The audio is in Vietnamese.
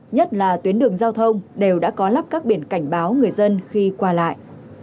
nhất là tuyến đường giao thông đều đã có lắp các biển cảnh báo người dân khi qua lại